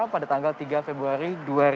pada tanggal tiga februari dua ribu dua puluh